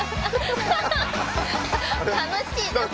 楽しいね。